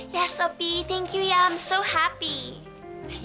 ya sopi thank you ya i'm so happy